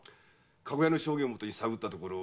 駕籠屋の証言を元に探ったところ。